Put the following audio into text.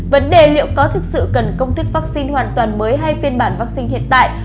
vấn đề liệu có thực sự cần công thức vaccine hoàn toàn mới hay phiên bản vaccine hiện tại